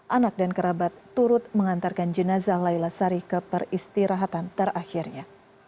anak dan kerabat turut mengantarkan jenazah laila sari ke peristirahatan terakhirnya